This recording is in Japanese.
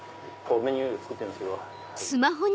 メニュー作ってるんですけど。